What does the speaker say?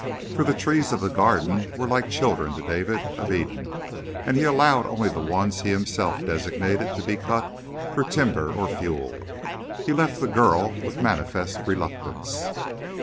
For the trees of the garden were like children to David of Eden, and he allowed only the ones he himself designated to be cut for timber or fuel. He left the girl with manifest reluctance.